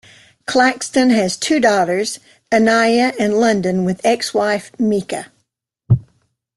Claxton has two daughters, Aniya and London with ex-wife Meeka.